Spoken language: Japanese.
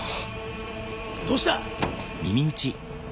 どうした？